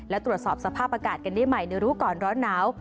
และตรวจสอบสภาพอากาศกันได้ใหม่ในรู้ก่อนร้อนหนาว